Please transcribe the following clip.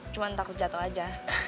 cuman takut jatuh aja